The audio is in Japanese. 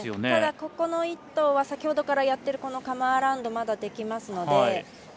ただ、この一投は先ほどからやっているカムアラウンドがまだできますので。